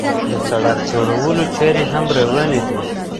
د سړک جوړولو چارې هم روانې دي.